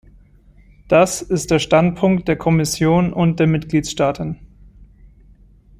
Das ist der Standpunkt der Kommission und der Mitgliedstaaten.